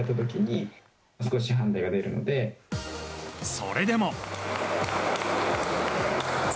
それでも。